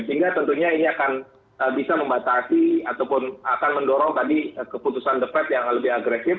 sehingga tentunya ini akan bisa membatasi ataupun akan mendorong tadi keputusan the fed yang lebih agresif